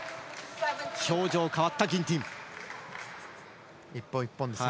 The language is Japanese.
表情変わったギンティン。